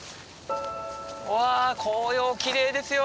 うわ紅葉きれいですよ。